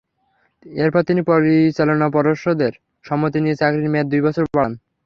এরপর তিনি পরিচালনা পর্ষদের সম্মতি নিয়ে চাকরির মেয়াদ দুই বছর বাড়ান।